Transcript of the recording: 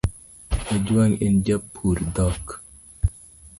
Ojwang en japur dhok